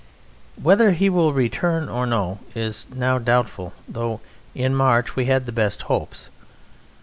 Whether he will return or no is now doubtful, though in March we had the best hopes.